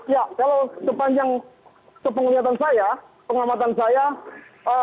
ya kalau sepanjang kepenglihatan saya pengamatan saya